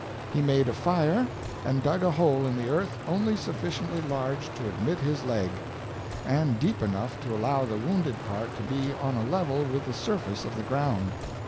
He made a fire, and dug a hole in the earth only sufficiently large to admit his leg, and deep enough to allow the wounded part to be on a level with the surface of the ground.